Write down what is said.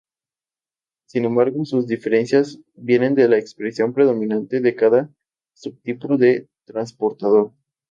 Sin embargo, sus diferencias vienen de la expresión predominante de cada subtipo de transportador.